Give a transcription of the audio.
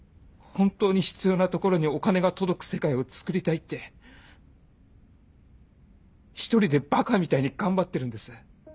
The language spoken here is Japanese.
本当に必要な所にお金が届く世界をつくりたいって一人でばかみたいに頑張ってるんです。